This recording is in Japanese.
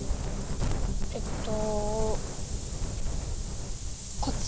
えっとこっち？